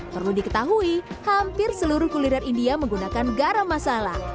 perlu diketahui hampir seluruh kuliner india menggunakan garam masala